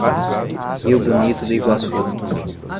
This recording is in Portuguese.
Rio Bonito do Iguaçu